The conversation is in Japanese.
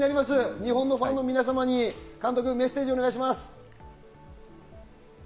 日本のファンの皆様に監督からメッセージをお願いします。